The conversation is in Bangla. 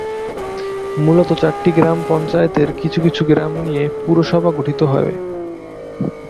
মূলত, চারটি গ্রাম পঞ্চায়েতের কিছু কিছু গ্রাম নিয়ে পুরসভা গঠিত হবে।